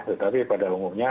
tetapi pada umumnya